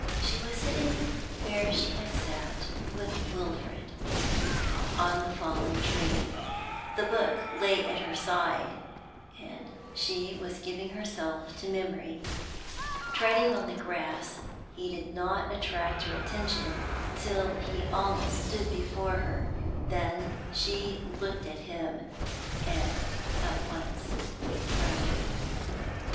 She was sitting where she had sat with Wilfrid, on the fallen tree; the book lay at her side, and she was giving herself to memory. Treading on the grass, he did not attract her attention till he almost stood before her; then she looked at him, and at once rose.